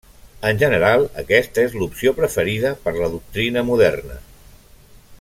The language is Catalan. En general, aquesta és l'opció preferida per la doctrina moderna.